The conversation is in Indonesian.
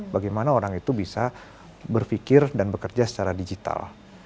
bagaimana orang itu bisa berpikir dan bekerja secara digital